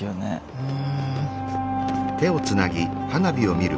うん。